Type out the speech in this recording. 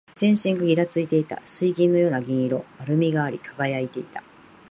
全身がぎらついていた。水銀のような銀色。丸みがあり、輝いていた。